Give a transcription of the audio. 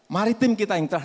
maritim kita yang telah